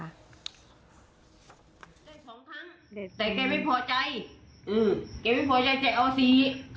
แกไม่พอใจจะเอาสี่